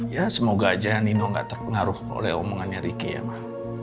ya semoga aja nino nggak terpengaruh oleh omongannya ricky ya pak